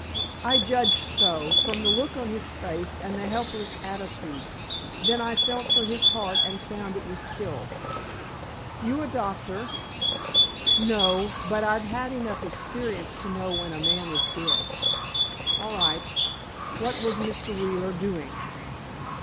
"I judged so, from the look on his face and the helpless attitude. Then I felt for his heart and found it was still." "You a doctor?" "No; but I've had enough experience to know when a man is dead." "All right. What was Mr. Wheeler doing?"